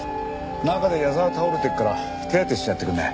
中で矢沢倒れてっから手当てしてやってくんない？